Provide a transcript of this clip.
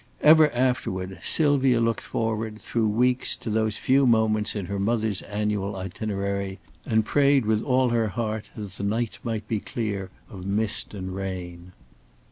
Ever afterward Sylvia looked forward, through weeks, to those few moments in her mother's annual itinerary, and prayed with all her heart that the night might be clear of mist and rain.